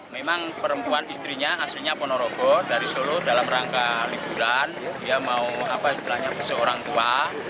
memang perempuan istrinya aslinya ponorogo dari solo dalam rangka liburan dia mau apa istilahnya musuh orang tua